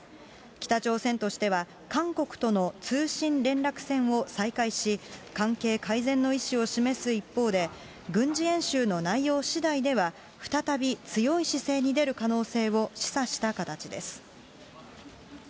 北朝鮮としては、韓国との通信連絡線を再開し、関係改善の意思を示す一方で、軍事演習の内容次第では、再び強い姿勢に出る可能性を示唆した形です。